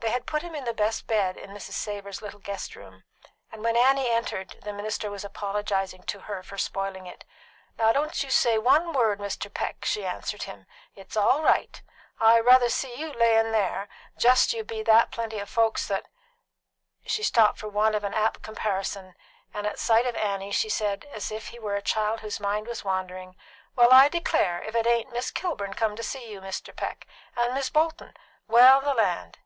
They had put him in the best bed in Mrs. Savor's little guest room, and when Annie entered, the minister was apologising to her for spoiling it. "Now don't you say one word, Mr. Peck," she answered him. "It's all right. I ruthah see you layin' there just's you be than plenty of folks that " She stopped for want of an apt comparison, and at sight of Annie she said, as if he were a child whose mind was wandering: "Well, I declare, if here ain't Miss Kilburn come to see you, Mr. Peck! And Mis' Bolton! Well, the land!"